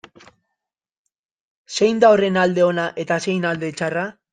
Zein da horren alde ona eta zein alde txarra?